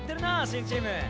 新チーム。